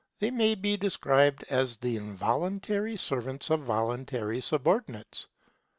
They may be described as the involuntary servants of voluntary subordinates.